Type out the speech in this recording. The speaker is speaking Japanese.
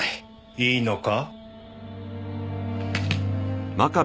いいのか？